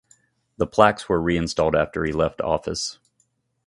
The plaques were reinstalled after he left office.